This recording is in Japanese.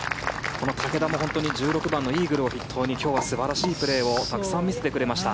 この竹田も１６番のイーグルを筆頭に今日は素晴らしいプレーをたくさん見せてくれました。